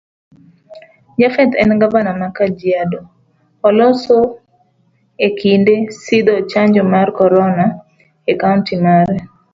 Japheth en govana ma kajiado, oloso ekinde sidho chanjo mar corona e kaunti mare.